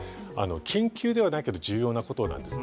緊急ではないけど重要なことなんですね。